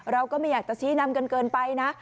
เราก็ไม่อยากจะชี้นำกันเกินไปนะ